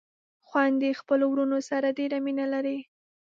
خويندې خپلو وروڼو سره ډېره مينه لري